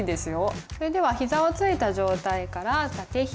それではひざをついた状態から立てひざ。